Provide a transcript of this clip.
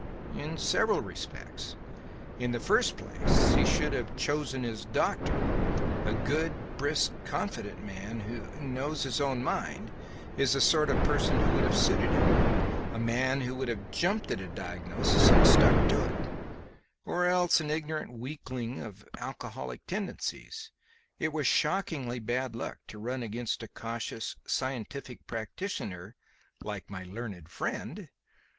"In several respects. In the first place, he should have chosen his doctor. A good, brisk, confident man who 'knows his own mind' is the sort of person who would have suited him; a man who would have jumped at a diagnosis and stuck to it; or else an ignorant weakling of alcoholic tendencies. It was shockingly bad luck to run against a cautious scientific practitioner like my learned friend.